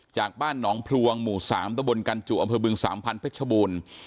จากบ้านหนองพลวงหมู่๓ตะบนกันจุอำเภอบึง๓๐๐เพชรบูรณ์